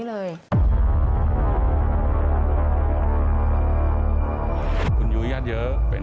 อ๋อตรงนี้เลย